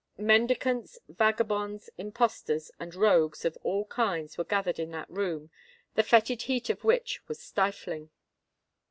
Mendicants, vagabonds, impostors, and rogues of all kinds were gathered in that room, the fetid heat of which was stifling.